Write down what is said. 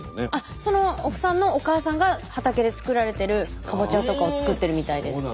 その奥さんのお母さんが畑で作られてるかぼちゃとかを作ってるみたいです。